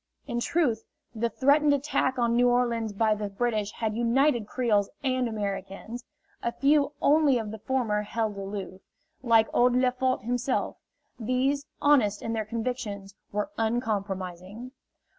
In truth, the threatened attack on New Orleans by the British had united Creoles and Americans. A few only of the former held aloof like old Lefort himself; these, honest in their convictions, were uncompromising.